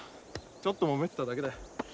ちょっともめてただけだよ。